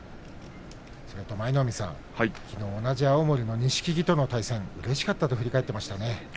それと舞の海さんも同じ青森の錦富士との対戦うれしかったと返ってきましたね。